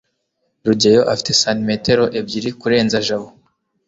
rugeyo afite santimetero ebyiri kurenza jabo